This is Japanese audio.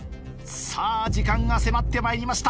さぁ時間が迫ってまいりました